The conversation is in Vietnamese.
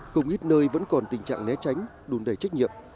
không ít nơi vẫn còn tình trạng né tránh đùn đầy trách nhiệm